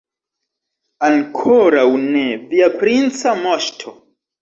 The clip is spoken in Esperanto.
Ankoraŭ ne, via princa moŝto.